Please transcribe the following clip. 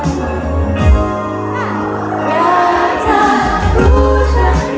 หรือควรรู้ใจ